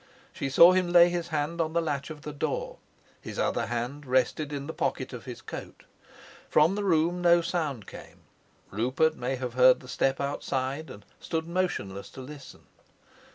She saw him lay his hand on the latch of the door; his other hand rested in the pocket of his coat. From the room no sound came; Rupert may have heard the step outside and stood motionless to listen.